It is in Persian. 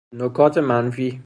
نکات منفی